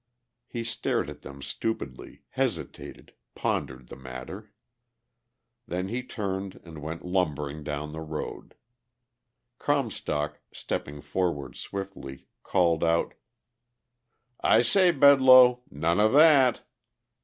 He stared at them stupidly, hesitated, pondered the matter. Then he turned and went lumbering down the road. Comstock, stepping forward swiftly, called out: "I say, Bedloe! None of that...."